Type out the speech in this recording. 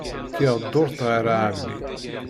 Kkiɣ dduṛt ɣer ɛemmi.